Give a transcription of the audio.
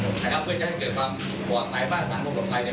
สิบลายแล้วแล้วมามาแล้วเราแล้วเรารักงู้ไงว่า